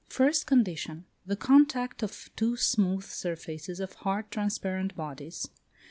First condition. The contact of two smooth surfaces of hard transparent bodies.